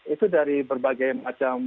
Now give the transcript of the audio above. itu dari berbagai macam agama dan suku juga